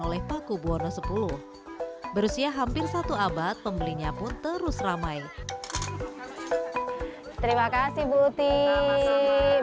oleh paku buwono x berusia hampir satu abad pembelinya pun terus ramai terima kasih bu tim